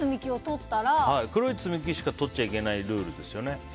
黒い積み木しか取っちゃいけないルールですよね。